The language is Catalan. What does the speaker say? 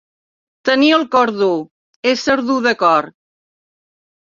Tenir el cor dur, ésser dur de cor.